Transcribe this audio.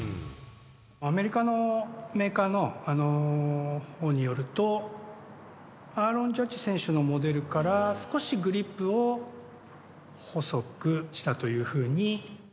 アメリカのメーカーのほうによると、アーロン・ジャッジ選手のモデルから、少しグリップを細くしたというふうに。